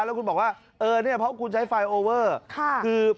และคุณบอกว่าเพราะว่าคุณใช้ไฟล์โอเวอไร